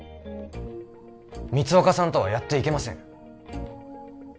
光岡さんとはやっていけません